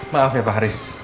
maaf ya pak haris